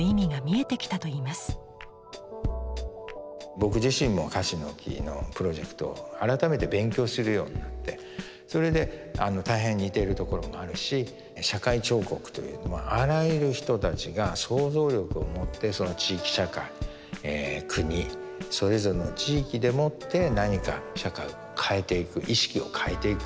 僕自身も樫の木のプロジェクトを改めて勉強するようになってそれで大変似てるところもあるし社会彫刻というのはあらゆる人たちが想像力をもって地域社会国それぞれの地域でもって何か社会を変えていく意識を変えていく。